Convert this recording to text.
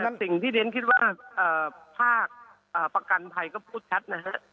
สิ่งที่เรียนคิดว่าภาคประกันภัยก็พูดชัดนะฮะ